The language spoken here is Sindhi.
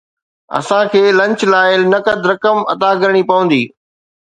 اسان کي لنچ لاءِ نقد رقم ادا ڪرڻي پوندي